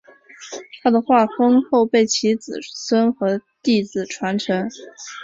他的画风后被其子孙和弟子传承。